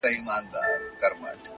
د سهار هوا د بدن حرکت اسانه کوي!.